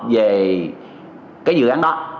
về cái dự án đó